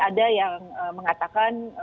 ada yang mengatakan